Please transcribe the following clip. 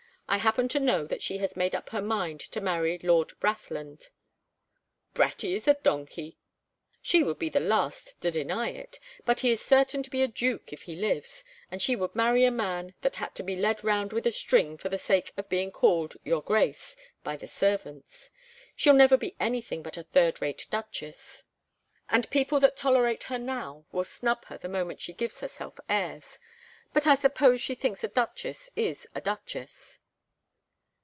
I happen to know that she has made up her mind to marry Lord Brathland." "Bratty is a donkey." "She would be the last to deny it, but he is certain to be a duke if he lives, and she would marry a man that had to be led round with a string for the sake of being called 'your grace' by the servants. She'll never be anything but a third rate duchess, and people that tolerate her now will snub her the moment she gives herself airs. But I suppose she thinks a duchess is a duchess."